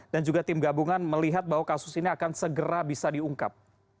dan juga tim gabungan melihat bahwa kasus ini akan segera bisa diungkap